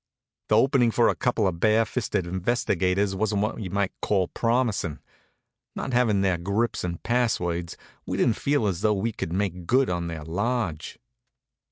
The opening for a couple of bare fisted investigators wasn't what you might call promisin'. Not having their grips and passwords, we didn't feel as though we could make good in their lodge.